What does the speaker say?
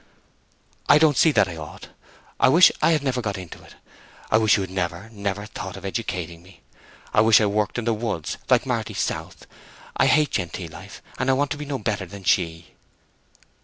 "I don't see that I ought. I wish I had never got into it. I wish you had never, never thought of educating me. I wish I worked in the woods like Marty South. I hate genteel life, and I want to be no better than she."